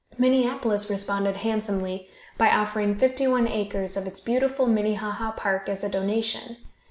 Minneapolis responded handsomely, by offering fifty one acres of its beautiful Minnehaha park as a donation.